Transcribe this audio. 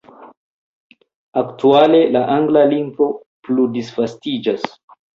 Aktuale la angla lingvo plu disvastiĝas.